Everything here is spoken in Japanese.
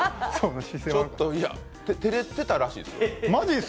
ちょっと照れてたらしいです。